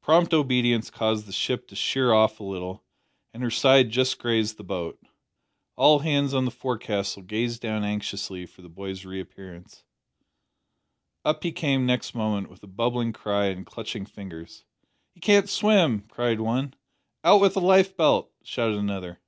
Prompt obedience caused the ship to sheer off a little, and her side just grazed the boat. All hands on the forecastle gazed down anxiously for the boy's reappearance. Up he came next moment with a bubbling cry and clutching fingers. "He can't swim!" cried one. "Out with a lifebelt!" shouted another.